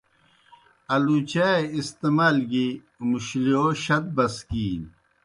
آلُوچائے استعمال گیْ مُشلِیؤ شت بسکِینیْ۔